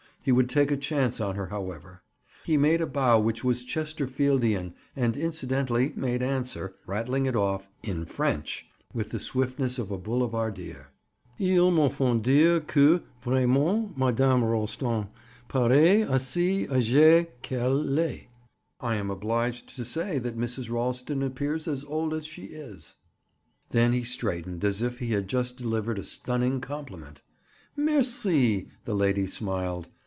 He would take a chance on her, however. He made a bow which was Chesterfieldian and incidentally made answer, rattling it off with the swiftness of a boulevardier. "Il me faut dire que, vraiment, Madame Ralston parait aussi agee qu'elle l'est!" ("I am obliged to say that Mrs. Ralston appears as old as she is!") Then he straightened as if he had just delivered a stunning compliment. "Merci!" The lady smiled.